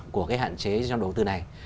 của cái hạn chế trong đầu tư này